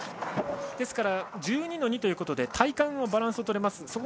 ですから１２−２ということで体幹はバランスを取れます。